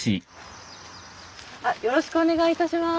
あっよろしくお願いいたします。